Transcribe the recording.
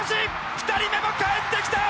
２人目もかえってきた！